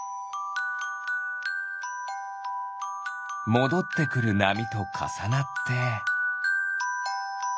もどってくるなみとかさなって。